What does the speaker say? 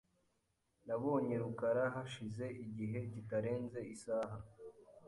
Nabonye rukara hashize igihe kitarenze isaha .